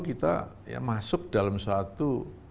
kita masuk dalam suatu